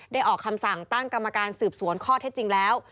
ออกคำสั่งตั้งกรรมการสืบสวนข้อเท็จจริงแล้ว